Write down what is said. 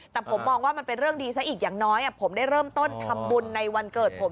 แต่ผมมองว่ามันเป็นเรื่องดีซะอีกอย่างน้อยผมได้เริ่มต้นทำบุญในวันเกิดผม